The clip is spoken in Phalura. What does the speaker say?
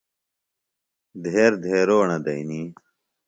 دھیر دیھروݨہ دئنی۔